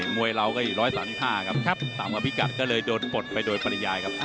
มวยเราก็๑๓๕ครับตามว่าพิกัดก็เลยโดนปลดไปโดยปริญญาครับ